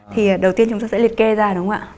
thì đầu tiên chúng ta sẽ liệt kê ra đúng không ạ